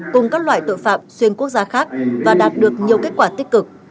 cùng các loại tội phạm xuyên quốc gia khác và đạt được nhiều kết quả tích cực